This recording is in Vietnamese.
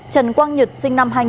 trần quang nhật sinh năm hai nghìn